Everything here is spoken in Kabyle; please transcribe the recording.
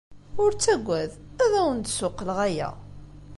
Ur ttaggad, ad awen-d-ssuqqleɣ aya.